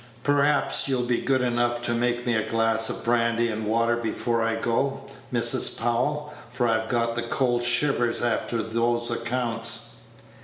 "Perhaps you'll be good enough to make me a glass of brandy and water before I go, Mrs. Powell, for I've got the cold shivers after those accounts."